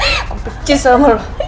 kamu pecis sama lo